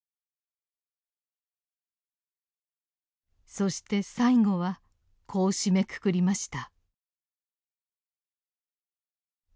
そして最後はこう締めくくりました。